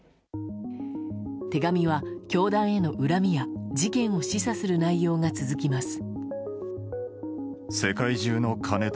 手紙は、教団への恨みや事件を示唆する内容が続きます。